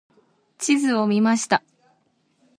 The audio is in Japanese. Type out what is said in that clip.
地図を見ました。